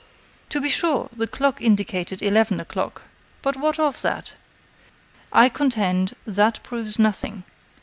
To be sure, the clock indicated eleven o'clock. But what of that? I contend, that proves nothing.